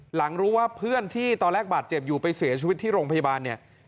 หลังรู้ว่าเพื่อนที่ตอนแรกบาดเจ็บอยู่ไปเสียชีวิตที่โรงพยาบาลเนี่ย